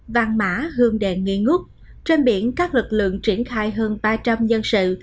vàng mã hương đèn nghi ngút trên biển các lực lượng triển khai hơn ba trăm linh nhân sự